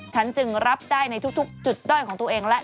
ฉันจึงรับได้ในทุกจุดด้อยของตัวเองและ